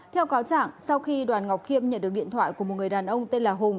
theo cáo trạng sau khi đoàn ngọc khiêm nhận được điện thoại của một người đàn ông tên là hùng